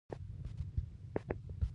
حملې احتمال ناکراره کړي وه.